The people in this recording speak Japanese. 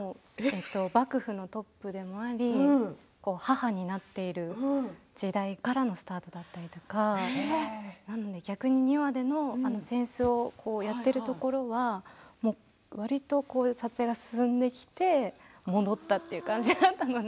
幕府のトップでもあり母になっている時代からのスタートで撮ったりとかなので逆に２話での扇子を割っているところなどはわりと撮影が進んできて戻ったという感じなので。